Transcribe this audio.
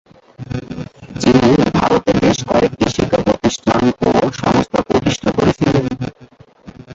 যিনি ভারতে বেশ কয়েকটি শিক্ষা প্রতিষ্ঠান ও সংস্থা প্রতিষ্ঠা করেছিলেন।